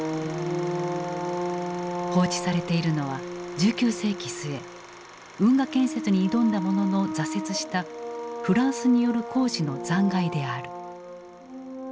放置されているのは１９世紀末運河建設に挑んだものの挫折したフランスによる工事の残骸である。